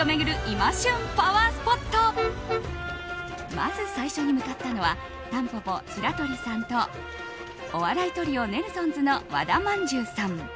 まず最初に向かったのはたんぽぽ白鳥さんとお笑いトリオ・ネルソンズの和田まんじゅうさん。